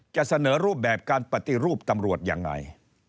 จะเสนอรูปแบบการปฏิรูปตำรวจยังไง